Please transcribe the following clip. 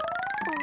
あ。